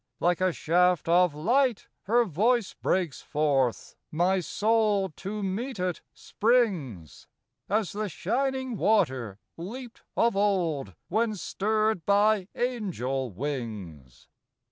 Like a shaft of light her voice breaks forth, My soul to meet it springs As the shining water leaped of old When stirred by angel wings.